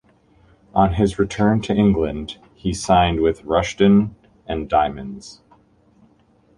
On his return to England, he signed with Rushden and Diamonds.